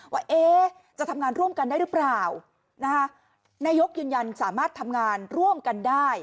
ว่าจะทำงานร่วมกันได้หรือเปล่านะคะนายกยืนยันสามารถทำงานร่วมกันได้